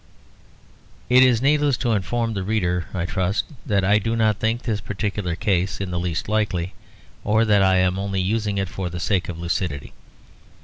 It is needless to inform the reader, I trust, that I do not think this particular case in the least likely; or that I am only using it for the sake of lucidity.